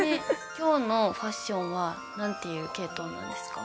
きょうのファッションはなんていう系統なんですか？